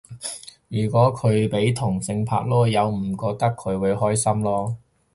如果佢俾同性拍籮柚唔覺佢會開心囉